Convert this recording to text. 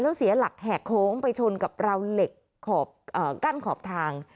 แล้วเสียหลักแหกโค้งไปชนกับราวเหล็กกั้นขอบทาง